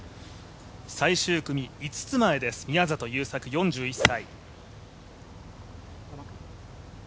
最終組５つ前です、宮里優作４１歳。